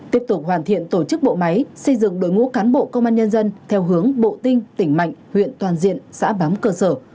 tiếp tục hoàn thiện tổ chức bộ máy xây dựng đối ngũ cán bộ công an nhân dân theo hướng bộ tinh tỉnh mạnh huyện toàn diện xã bám cơ sở